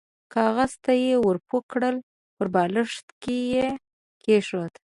کاغذ ته يې ور پوه کړل، پر بالښت يې کېښود.